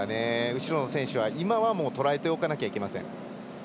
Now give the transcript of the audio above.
後ろの選手は今は捉えておかなきゃいけません。